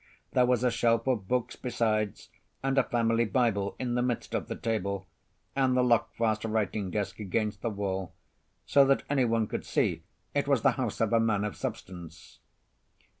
There was a shelf of books besides, and a family Bible in the midst of the table, and the lock fast writing desk against the wall; so that anyone could see it was the house of a man of substance.